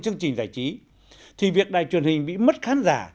chương trình giải trí thì việc đài truyền hình bị mất khán giả